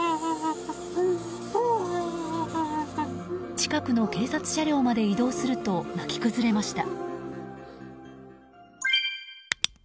近くの警察車両まで移動すると泣き崩れました。